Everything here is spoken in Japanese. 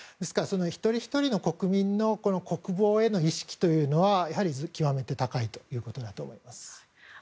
一人ひとりの国民の国防への意識というのは極めて高いということだと思います。